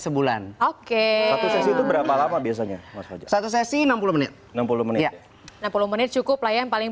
sebulan oke itu berapa lama biasanya satu sesi enam puluh menit enam puluh menit ya enam puluh menit cukup layan paling